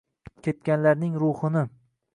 Ketganlarning ruhini.